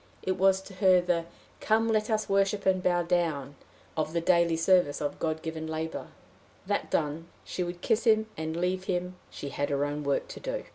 It was to her the "Come let us worship and bow down" of the daily service of God given labor. That done, she would kiss him, and leave him: she had her own work to do.